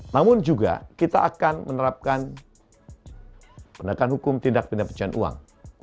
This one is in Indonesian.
namun juga kita akan menerapkan pendagangan hukum tindak penelitian uang